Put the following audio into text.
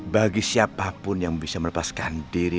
bagi siapapun yang bisa melepaskan diri